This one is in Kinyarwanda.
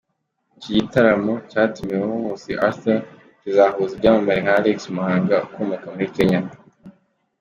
Iki gitaramo cyatumiwemo Nkusi Arthur, kizahuza ibyamamare nka Alex Muhanga ukomoka muri Kenya.